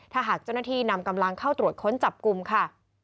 ถ้าหากเจ้าหน้าที่นำกำลังเข้าตรวจค้นจับกลุ่มค่ะ